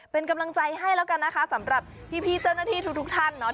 เป็นกำลังใจให้แล้วกันนะคะสำหรับพี่เจ้าหน้าที่ทุกท่านเนาะ